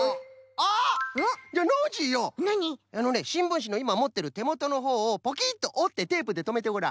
あのねしんぶんしのいまもってるてもとのほうをポキッとおってテープでとめてごらん。